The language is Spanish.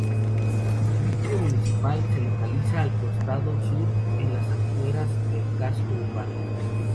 El cementerio municipal, se localiza al costado sur en las afueras del casco urbano.